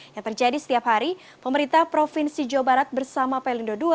yang terjadi setiap hari pemerintah provinsi jawa barat bersama pelindo ii